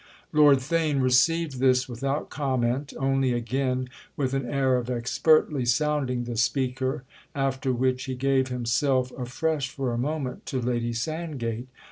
Lord Theign received this without comment, only again with an air of expertly sounding the speaker; after which he gave himself afresh for a moment to Lady Sandgate.